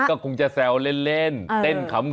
ก็คงจะแซวเล่นเต้นขำ